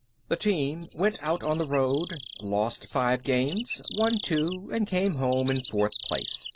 The team went out on the road, lost five games, won two, and came home in fourth place.